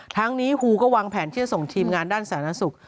ทั้งนี้ครูก็วางแผนที่จะส่งทีมงานด้านสาธารณสุข